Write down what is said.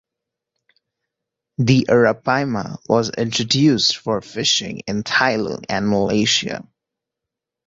The arapaima was introduced for fishing in Thailand and Malaysia.